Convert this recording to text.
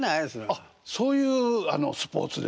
あっそういうスポーツですか。